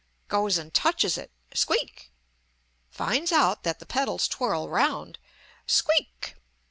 goes and touches it squeak! finds out that the pedals twirl round squeak!